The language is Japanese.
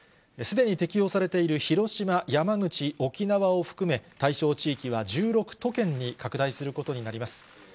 すでに適用されている広島、山口、沖縄を含め、対象地域は１６都県に拡大することになります。